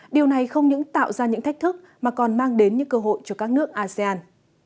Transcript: điều này không những tạo ra những thách thức mà còn mang đến những cơ hội cho các nước asean